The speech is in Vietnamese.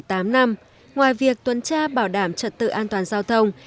công tác bảo vệ dân phố đã được một mươi tám năm ngoài việc tuần tra bảo đảm trật tự an toàn giao thông